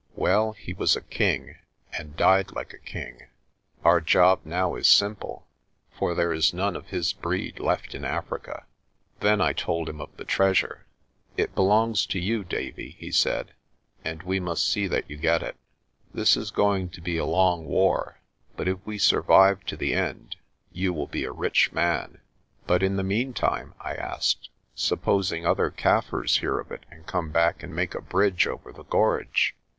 "Well, he was a king, and died like a king. Our job now is simple, for there is none of his breed left in Africa." Then I told him of the treasure. "It belongs to you, Davie," he said, "and we must see that you get it. This is going to be a long war but if we survive to the end you will be a rich man." "But in the meantime?' I asked. "Supposing other Kaffirs hear of it, and come back and make a bridge over the gorge?